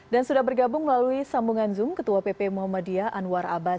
dan sudah bergabung melalui sambungan zoom ketua pp muhammadiyah anwar abbas